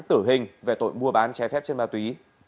tử hình về tội mua bán trái phép trên ma túy